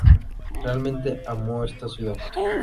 Realmente amo esta ciudad.